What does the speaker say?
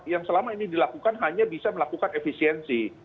yang selama ini dilakukan hanya bisa melakukan efisiensi